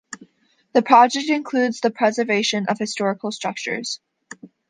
The project includes the preservation of historial structures.